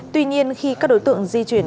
tuy nhiên khi các đối tượng di chuyển